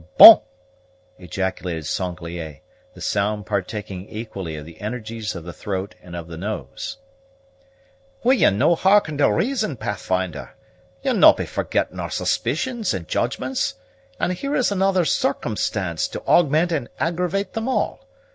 "Bon!" ejaculated Sanglier, the sound partaking equally of the energies of the throat and of the nose. "Will ye no' hearken to reason, Pathfinder? Ye'll no' be forgetting our suspicions and judgments; and here is another circumstance to augment and aggravate them all.